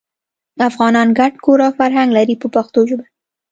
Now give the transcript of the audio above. افغانان ګډ کور او فرهنګ لري په پښتو ژبه.